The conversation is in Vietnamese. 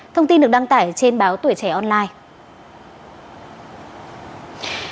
thông tin được đăng tải trên báo tuổi trẻ online